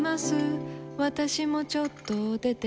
私もちょっと出ています。